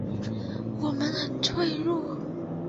我们很脆弱